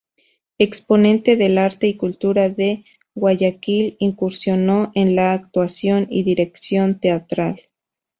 Exponente del arte y cultura de Guayaquil, incursionó en la actuación y dirección teatral.